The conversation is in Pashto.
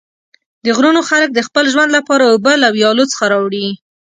د غرونو خلک د خپل ژوند لپاره اوبه له ویالو څخه راوړي.